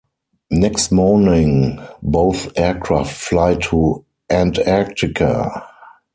Next morning both aircraft fly to Antarctica.